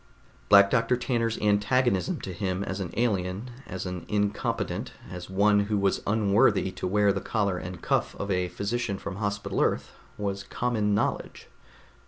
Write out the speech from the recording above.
Black Doctor Tanner's antagonism to him as an alien, as an incompetent, as one who was unworthy to wear the collar and cuff of a physician from Hospital Earth, was common knowledge.